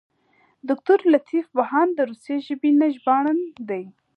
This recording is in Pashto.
دوکتور لطیف بهاند د روسي ژبې نه ژباړن دی.